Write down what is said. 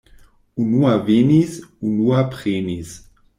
Unua venis, unua prenis.